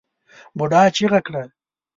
بوډا چيغه کړه!